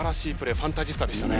ファンタジスタでしたね。